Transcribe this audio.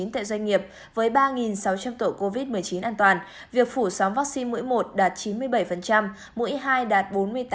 tại doanh nghiệp với ba sáu trăm linh tổ covid một mươi chín an toàn việc phủ sóng vaccine mũi một đạt chín mươi bảy mũi hai đạt bốn mươi tám